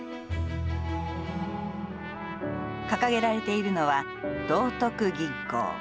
掲げられているのは、道徳銀行。